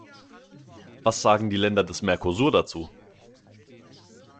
Was sagen die Länder des Mercosur dazu?